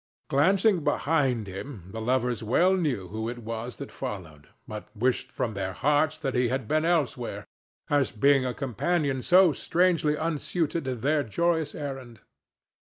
Glancing behind them, the lovers well knew who it was that followed, but wished from their hearts that he had been elsewhere, as being a companion so strangely unsuited to their joyous errand.